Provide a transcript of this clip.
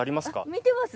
見てます。